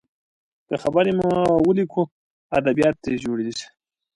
که خبرې مو وليکو، ادبيات ترې جوړیږي.